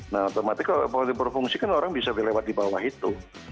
nah otomatis kalau berfungsi kan orang bisa lewat di bawah itu